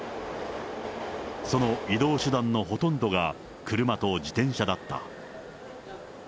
その移動手段のほとんどが、車と自転車だった。